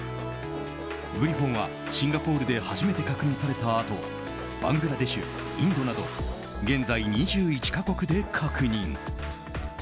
グリフォンは、シンガポールで初めて確認されたあとバングラデシュ、インドなど現在２１か国で確認。